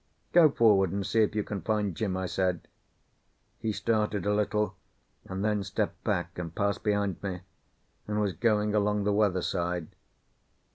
"Go forward and see if you can find Jim," I said. He started a little, and then stepped back and passed behind me, and was going along the weather side.